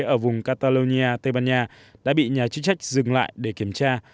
ở vùng catalonia tây ban nha đã bị nhà chính sách dừng lại để kiểm tra